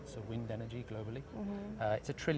ada enam ratus gw energi udara di dunia